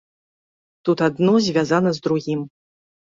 Тут адно звязана з другім.